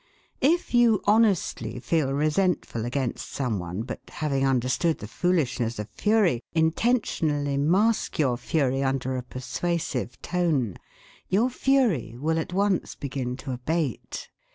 If you honestly feel resentful against some one, but, having understood the foolishness of fury, intentionally mask your fury under a persuasive tone, your fury will at once begin to abate.